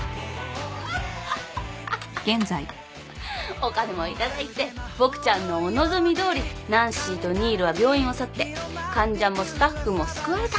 お金も頂いてボクちゃんのお望みどおりナンシーと新琉は病院を去って患者もスタッフも救われた。